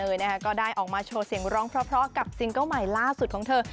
เลยนะคะก็ได้ออกมาโชว์เสียงร้องเพราะกับซิงเกิ้ลใหม่ล่าสุดของเธอ